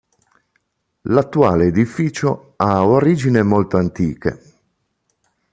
L'attuale edificio ha origini molto antiche.